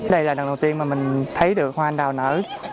đây là lần đầu tiên mà mình thấy được hoa anh đào nở